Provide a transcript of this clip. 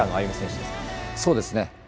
そうですね。